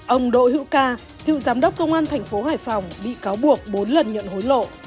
ông đỗ hữu ca cựu giám đốc công an thành phố hải phòng bị cáo buộc bốn lần nhận hối lộ